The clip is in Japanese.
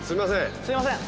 すいません。